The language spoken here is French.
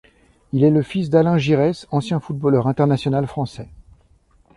Il est le fils d'Alain Giresse, ancien footballeur international français.